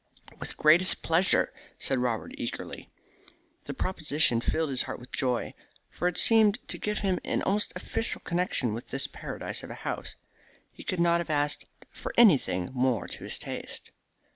"With the greatest pleasure," said Robert eagerly. The proposition filled his heart with joy, for it seemed to give him an almost official connection with this paradise of a house. He could not have asked for anything more to his taste.